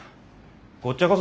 こっちゃこそ。